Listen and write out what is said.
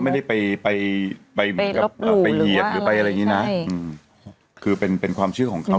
มีเหมือนกันใช่มั้ย